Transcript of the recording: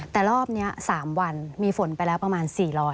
แต่รอบนี้๓วันมีฝนไปแล้วประมาณ๔๐๐